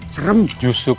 saat luar lagi sakit